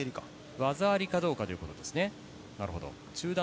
技ありかどうかということですね。